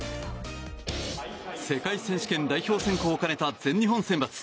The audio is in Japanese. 世界選手権代表選考を兼ねた全日本選抜。